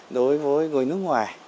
đối với người nước ngoài